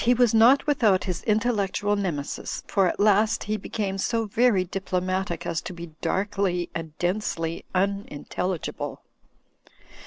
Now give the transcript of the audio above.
HIBBS 99 not without his intellectual nemesis; for at last he became so very diplomatic as to be darkly and densely unintelligible.